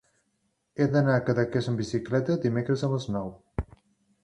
He d'anar a Cadaqués amb bicicleta dimecres a les nou.